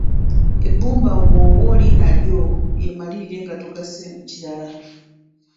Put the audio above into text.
Ebbumba bwoba olirina lyo lyemalirira nga togasseemu kirala